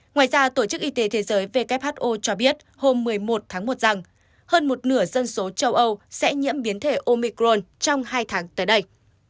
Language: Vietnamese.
ngoài ra tổ chức y tế thế giới who cho biết hôm một mươi một tháng một rằng hơn một nửa dân số châu âu sẽ nhiễm biến thể omicron trong hai tháng tới đây